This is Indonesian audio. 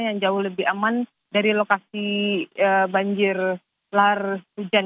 yang jauh lebih aman dari lokasi banjir lar hujan